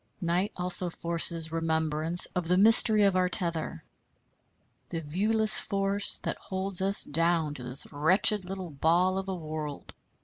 Night also forces remembrance of the mystery of our tether, the viewless force that holds us down to this wretched little ball of a world.